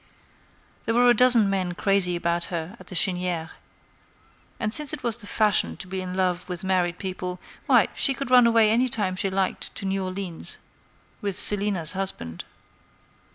There were a dozen men crazy about her at the Chênière; and since it was the fashion to be in love with married people, why, she could run away any time she liked to New Orleans with Célina's husband.